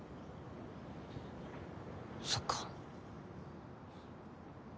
そっか。